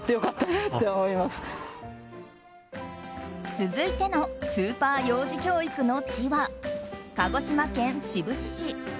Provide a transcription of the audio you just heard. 続いてのスーパー幼児教育の地は鹿児島県志布志市。